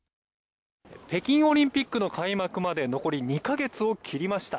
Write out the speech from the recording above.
北京オリンピックの開幕まで残り２ヶ月を切りました。